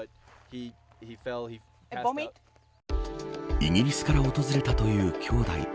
イギリスから訪れたという兄弟。